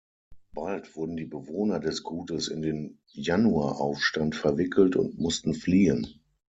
Bald wurden die Bewohner des Gutes in den Januaraufstand verwickelt und mussten fliehen.